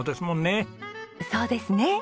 そうですね！